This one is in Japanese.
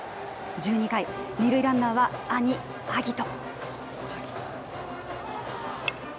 １２回、二塁ランナーは兄・晶音。